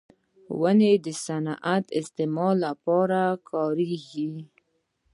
• ونه د صنعتي استعمال لپاره کارېږي.